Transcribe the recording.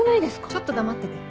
ちょっと黙ってて。